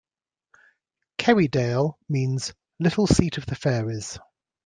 Kerrydale means "little seat of the fairies".